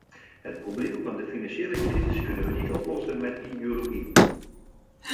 Het probleem van de financiële crisis kunnen we niet oplossen met ideologie.